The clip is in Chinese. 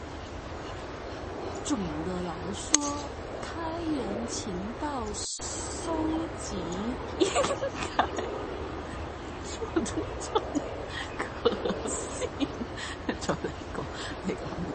总的来说，开源情报搜集应该遵循可信、可验证的来源，评估信息的可靠性和准确性，筛选和整理信息，并定期更新。同时，需要保护信息来源的隐私和安全，并采用多种搜集方法来获取广泛的信息。这样才能有效地支持决策制定和情报分析。